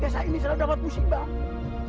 desa ini selalu dapat musibah